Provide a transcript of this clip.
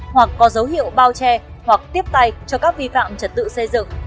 hoặc có dấu hiệu bao che hoặc tiếp tay cho các vi phạm trật tự xây dựng